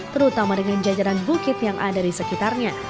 terutama dengan jajaran bukit yang ada di sekitarnya